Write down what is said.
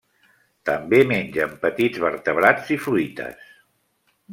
També mengen petits vertebrats i fruites.